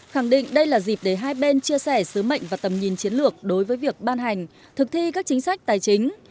khẳng định đây là dịp để hai bên chia sẻ sứ mệnh và tầm nhìn chiến lược đối với việc ban hành thực thi các chính sách tài chính